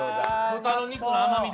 豚の肉の甘みで。